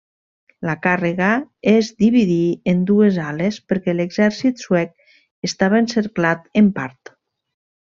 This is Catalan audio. La càrrega es dividí en dues ales perquè l'exèrcit suec estava encerclat en part.